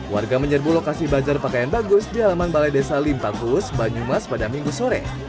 warga menyerbu lokasi bajar pakaian bagus di halaman balai desa limpakuus banyumas pada minggu sore